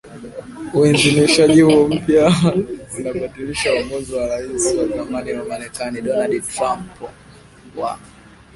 Uidhinishaji huo mpya unabatilisha uamuzi wa Raisi wa zamani wa Marekani Donald Trump wa